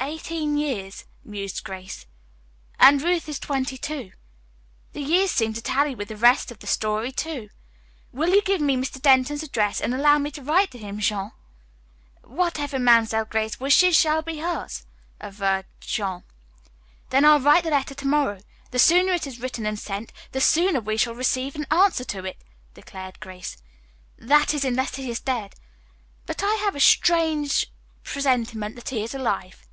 "Eighteen years," mused Grace, "and Ruth is twenty two. The years seem to tally with the rest of the story, too. Will you give me Mr. Denton's address and allow me to write to him, Jean?" "Whatever Mamselle Grace wishes shall be hers," averred Jean. "Then I'll write the letter to morrow. The sooner it is written and sent, the sooner we shall receive an answer to it," declared Grace. "That is unless he is dead. But I have a strange presentiment that he is alive.